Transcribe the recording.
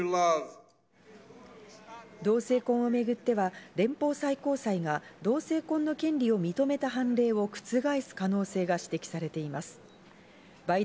同性婚をめぐっては連邦最高裁が同性婚の権利を認めた判例を覆す可能性が指摘されています。